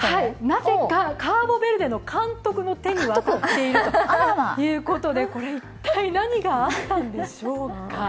なぜか、カーボベルデの監督の手に渡っているということで、これ、一体、何があったんでしょうか。